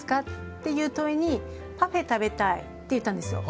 っていう問いに「パフェ食べたい」って言ったんですよ。